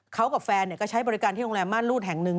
เขากับแฟนก็ใช้บริการที่โรงแรมม่านรูดแห่งหนึ่ง